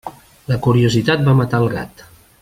La curiositat va matar el gat.